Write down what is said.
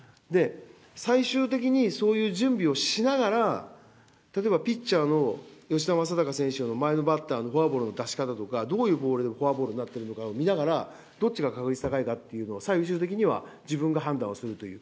最終的にそういう準備をしながら、例えばピッチャーの吉田正尚選手の前のバッターのフォアボールの出し方とか、どういうボールでフォアボールになってるのかとか見ながら、どっちが確率高いかっていうのを、最終的には自分が判断をするという。